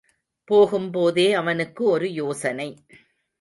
போகும்போதே அவனுக்கு ஒரு யோசனை.